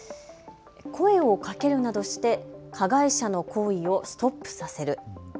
声をかけるなどして加害者の行為をストップさせる。